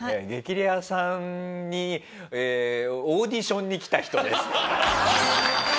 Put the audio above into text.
『激レアさん』にオーディションに来た人です。